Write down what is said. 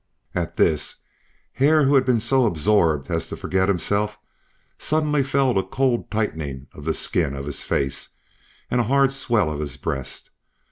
At this, Hare, who had been so absorbed as to forget himself, suddenly felt a cold tightening of the skin of his face, and a hard swell of his breast.